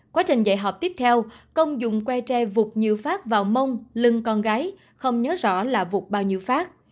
quá trình dạy họp tiếp theo công dùng que tre vụt nhiều phát vào mông lưng con gái không nhớ rõ là vụt bao nhiêu phát